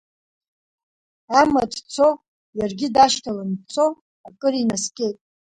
Амаҭ цо, иаргьы дашьҭаланы дцо, акыр инаскьеит.